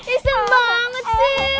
iseng banget sih